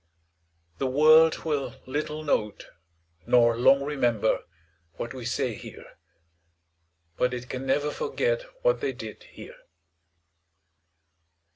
The world will little note, nor long remember, what we say here, but it can never forget what they did here.